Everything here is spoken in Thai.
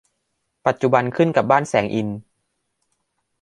ปัจจุบันขึ้นกับบ้านแสงอินทร์